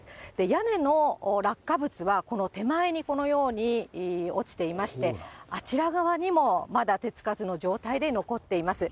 屋根の落下物は、この手前にこのように落ちていまして、あちら側にもまだ手付かずの状態で残っています。